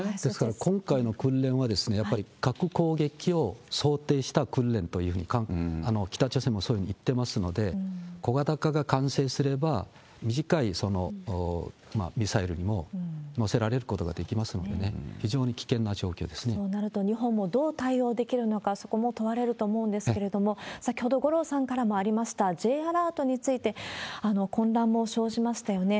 今回の訓練はやっぱり核攻撃を想定した訓練というふうに、北朝鮮もそういうふうに言ってますので、小型化が完成すれば、短いミサイルにも載せられることができますのでね、非常に危険なそうなると、日本もどう対応できるのか、そこも問われると思うんですけれども、先ほど五郎さんからもありました、Ｊアラートについて、混乱も生じましたよね。